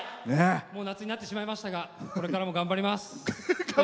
もう夏になってしまいましたがこれからも頑張ります。